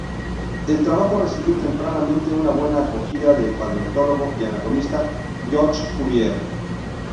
El trabajo recibió tempranamente una buena acogida del paleontólogo y anatomista Georges Cuvier.